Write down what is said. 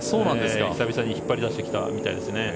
久々に引っ張り出してきたみたいですね。